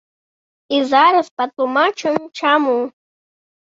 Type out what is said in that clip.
І зараз патлумачым чаму.